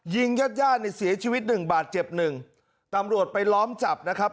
ญาติญาติเนี่ยเสียชีวิตหนึ่งบาดเจ็บหนึ่งตำรวจไปล้อมจับนะครับ